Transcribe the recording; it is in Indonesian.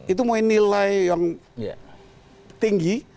itu mempunyai nilai yang tinggi